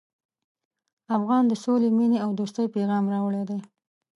افغان د سولې، مینې او دوستۍ پیغام راوړی دی.